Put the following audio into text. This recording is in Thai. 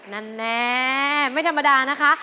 แน่ไม่ธรรมดานะคะ